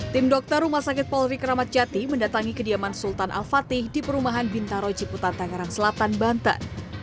tim dokter rumah sakit polri keramat jati mendatangi kediaman sultan al fatih di perumahan bintaro ciputa tangerang selatan banten